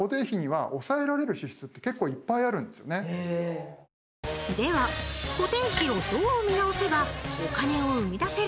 で実はでは固定費をどう見直せばお金をうみだせるのか？